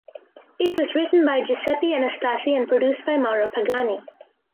It was written by Giuseppe Anastasi and produced by Mauro Pagani.